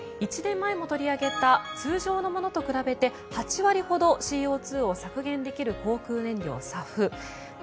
１年前も取り上げた通常のものと比べて８割ほどＣＯ２排出量を減らすことができる航空燃料ＳＡＦ。